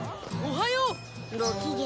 おはよう。